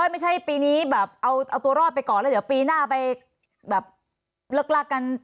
ไม่ใช่ปีนี้แบบเอาตัวรอดไปก่อนแล้วเดี๋ยวปีหน้าไปแบบเลิกลากัน